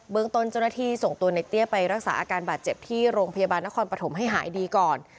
ตนเจ้าหน้าที่ส่งตัวในเตี้ยไปรักษาอาการบาดเจ็บที่โรงพยาบาลนครปฐมให้หายดีก่อน